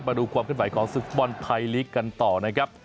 มาดูความขึ้นไหวของศึกฟุตบอลไทยลีกกันต่อนะครับ